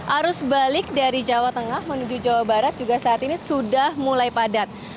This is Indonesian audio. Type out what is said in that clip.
arus balik dari jawa tengah menuju jawa barat juga saat ini sudah mulai padat